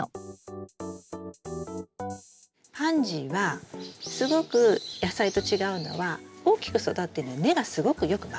パンジーはすごく野菜と違うのは大きく育ってるので根がすごくよく回っています。